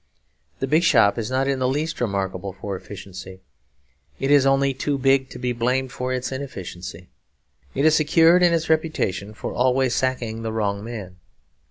The big shop is not in the least remarkable for efficiency; it is only too big to be blamed for its inefficiency. It is secure in its reputation for always sacking the wrong man.